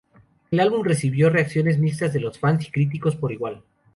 El álbum recibió reacciones mixtas de los fans y críticos por igual.